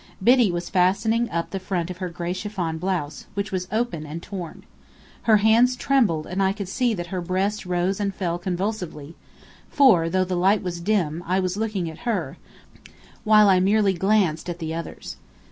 Biddy was fastening up the front of her gray chiffon blouse, which was open, and torn. Her hands trembled and I could see that her breast rose and fell convulsively; for, though the light was dim, I was looking at her, while I merely glanced at the others.